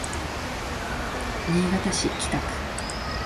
新潟市北区